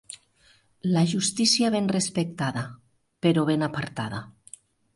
La justícia ben respectada, però ben apartada.